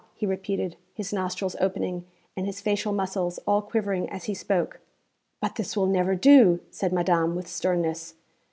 he repeated, his nostrils opening, and his facial muscles all quivering as he spoke. 'But this will never do,' said madame with sternness.